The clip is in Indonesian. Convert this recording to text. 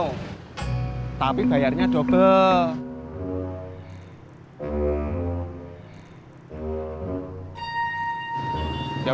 udah bayarnya satu setengah